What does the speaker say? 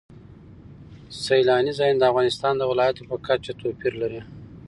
سیلانی ځایونه د افغانستان د ولایاتو په کچه توپیر لري.